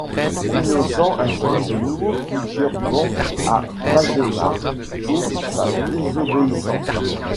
Innocent inflige de nouveau plusieurs bans à Valdemar pour sa désobéissance.